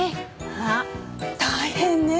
あっ大変ねえ。